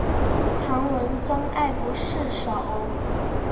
唐文宗爱不释手。